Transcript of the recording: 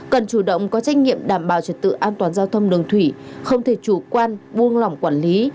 cần chủ động có trách nhiệm đảm bảo trật tự an toàn giao thông đường thủy không thể chủ quan buông lỏng quản lý